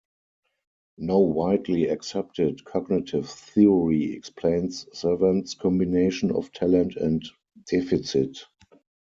No widely accepted cognitive theory explains savants' combination of talent and deficit.